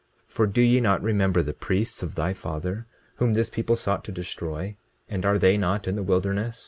20:18 For do ye not remember the priests of thy father, whom this people sought to destroy? And are they not in the wilderness?